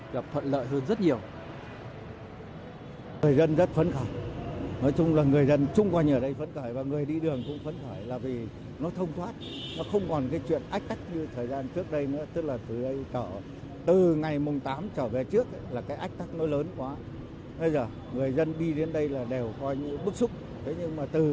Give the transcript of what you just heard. gặp thuận lợi hơn rất nhiều